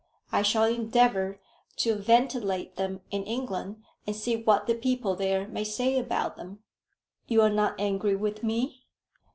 I shall endeavour to ventilate them in England, and see what the people there may say about them." "You are not angry with me?"